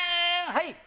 はい！